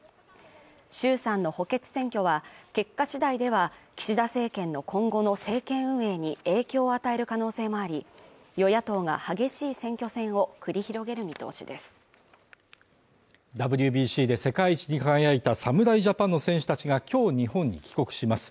衆参の補欠選挙は結果次第では、岸田政権の今後の政権運営に影響を与える可能性もあり、与野党が激しい選挙戦を繰り広げる見通しですＷＢＣで世界一に輝いた侍ジャパンの選手たちが今日、日本に帰国します。